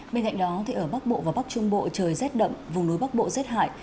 bên cạnh đó ở bắc bộ và bắc trung bộ trời rét đậm vùng núi bắc bộ rét hại